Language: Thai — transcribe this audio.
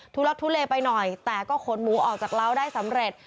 ลักทุเลไปหน่อยแต่ก็ขนหมูออกจากเล้าได้สำเร็จ